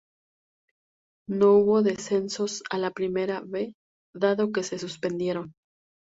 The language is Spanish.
No hubo descensos a la Primera B, dado que se suspendieron.